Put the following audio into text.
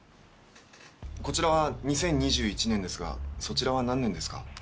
こちらは２０２１年ですがそちらは何年ですか？